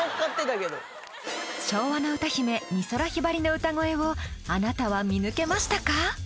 昭和の歌姫美空ひばりの歌声をあなたは見抜けましたか？